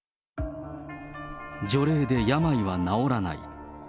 除霊で病は治らない。